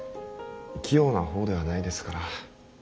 器用な方ではないですから。